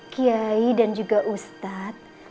kiai dan juga ustazah nurul